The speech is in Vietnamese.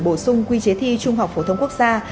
bổ sung quy chế thi trung học phổ thông quốc gia